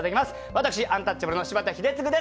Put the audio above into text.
私アンタッチャブルの柴田英嗣です。